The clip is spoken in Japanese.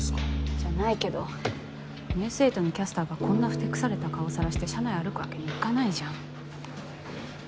じゃないけど「ニュース８」のキャスターがこんなふてくされた顔さらして社内歩くわけにいかないじゃん。